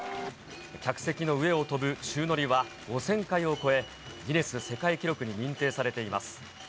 客席の上を飛ぶ宙乗りは５０００回を超え、ギネス世界記録に認定されています。